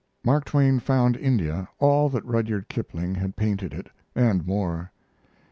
Mark Twain found India all that Rudyard Kipling had painted it and more.